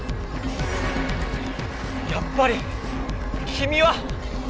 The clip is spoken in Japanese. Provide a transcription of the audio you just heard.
やっぱりきみは！